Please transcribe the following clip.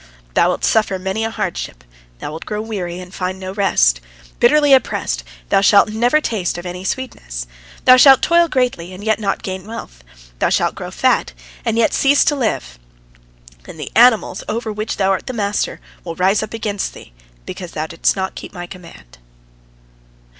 Thou wilt suffer many a hardship, thou wilt grow weary, and yet find no rest. Bitterly oppressed, thou shalt never taste of any sweetness. Thou shalt be scourged by heat, and yet pinched by cold. Thou shalt toil greatly, and yet not gain wealth. Thou shalt grow fat, and yet cease to live. And the animals over which thou art the master will rise up against thee, because thou didst not keep my command."